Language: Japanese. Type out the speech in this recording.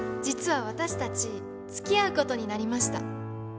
実は私たちつきあうことになりました。